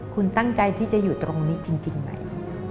คุณตั้งใจที่จะอยู่ตรงนี้จริงไหม